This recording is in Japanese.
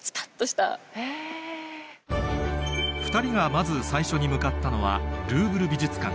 ２人がまず最初に向かったのはルーヴル美術館